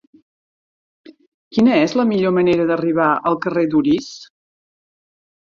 Quina és la millor manera d'arribar al carrer d'Orís?